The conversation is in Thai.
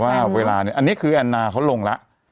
ว่าเวลาอันนี้คือแนะนาเขาลงละ